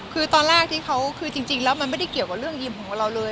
คือตอนแรกที่เขาคือจริงแล้วมันไม่ได้เกี่ยวกับเรื่องยิมของเราเลย